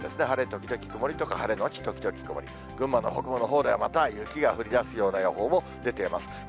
晴れ時々曇りとか晴れ後時々曇り、群馬の北部のほうでは、また雪が降りだすような予報も出ています。